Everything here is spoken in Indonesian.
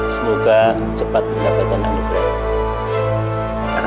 semoga cepat mendapatkan anugrah